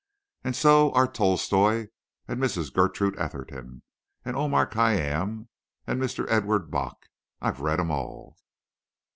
"And so are Tolstoi, and Mrs. Gertrude Atherton, and Omar Khayyam, and Mr. Edward Bok. I've read 'em all.